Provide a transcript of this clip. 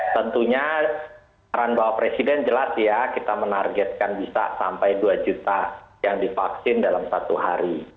tentunya arahan bapak presiden jelas ya kita menargetkan bisa sampai dua juta yang divaksin dalam satu hari